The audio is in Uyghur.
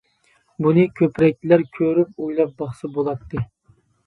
بۇنى كۆپرەكلەر كۆرۈپ ئويلاپ باقسا بولاتتى.